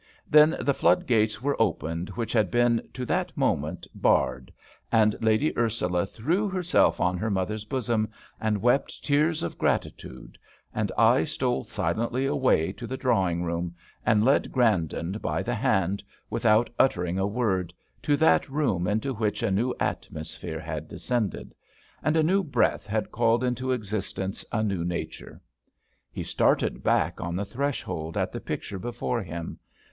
Then the floodgates were opened which had been to that moment barred, and Lady Ursula threw herself on her mother's bosom, and wept tears of gratitude, and I stole silently away to the drawing room, and led Grandon by the hand, without uttering a word, to that room into which a new atmosphere had descended, and a new breath had called into existence a new nature. He started back on the threshold at the picture before him.